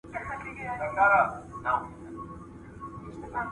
پرمختګ زموږ حق دی.